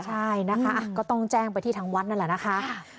ใช่นะคะก็ต้องแจ้งไปที่ทางวัดนั่นแหละนะคะ